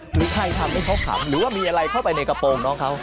หรือใครทำให้เขาขำหรือว่ามีอะไรเข้าไปในกระโปรงน้องเขา